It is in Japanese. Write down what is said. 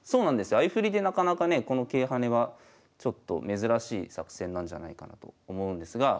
相振りでなかなかねこの桂跳ねはちょっと珍しい作戦なんじゃないかなと思うんですが。